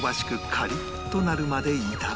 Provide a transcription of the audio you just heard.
カリッとなるまで炒め